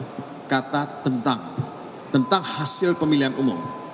pasalnya itu menggunakan kata tentang tentang hasil pemilihan umum